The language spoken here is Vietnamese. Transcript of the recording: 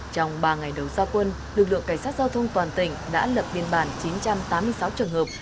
trong ba ngày đầu gia quân lực lượng cảnh sát giao thông toàn tỉnh đã lập biên bản chín trăm tám mươi sáu trường hợp